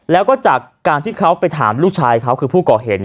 แล้วก็จากการที่เขาไปถามลูกชายเขาคือผู้ก่อเหตุ